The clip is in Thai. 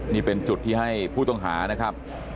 นี่เป็นจุดที่ให้ผู้ต้องหานะครับ